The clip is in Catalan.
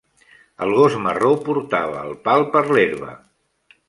El gos marró portava el pal per l'herba.